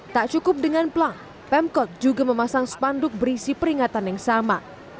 tak cukup dengan pelang pemkot juga memasang spanduk berisi peringatan yang sama